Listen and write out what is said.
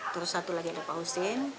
terus satu lagi ada pak husin